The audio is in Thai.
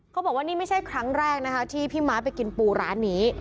บอกว่านี่ไม่ใช่ครั้งแรกนะคะที่พี่ม้าไปกินปูร้านนี้